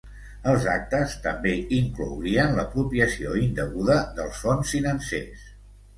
Els actes també inclourien l'apropiació indeguda dels fons financers.